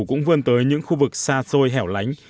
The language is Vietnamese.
cũng vươn tới những khu vực xa xôi hẻo lánh